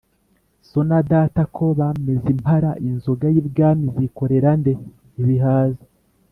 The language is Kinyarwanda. So na data ko bameze impara inzoga y'ibwami izikorera nde ?-Ibihaza.